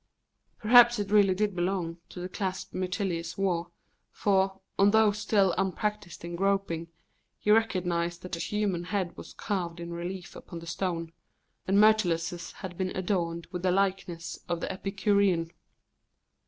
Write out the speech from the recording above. Perhaps it really did belong to the clasp Myrtilus wore, for, although still unpractised in groping, he recognised that a human head was carved in relief upon the stone, and Mrytilus's had been adorned with the likeness of the Epicurean.